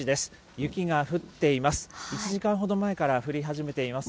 雪が降っています。